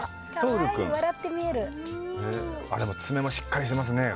爪もしっかりしてますね。